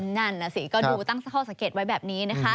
นั่นน่ะสิก็ดูตั้งข้อสังเกตไว้แบบนี้นะคะ